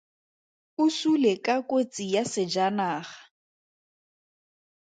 O sule ka kotsi ya sejanaga.